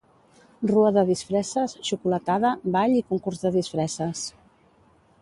Rua de disfresses, xocolatada, ball i concurs de disfresses.